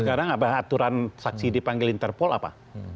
sekarang aturan saksi dipanggil interpol apa